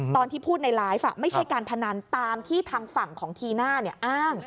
ตอนที่พูดในไลฟ์ไม่ใช่การพนันตามที่ทางฝั่งของทีน่าอ้าง